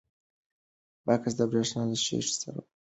بکس د برېښنا له شیټ سره ولګېد.